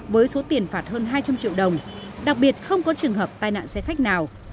với số tiền phạt hơn hai trăm linh triệu đồng đặc biệt không có trường hợp tai nạn xe khách nào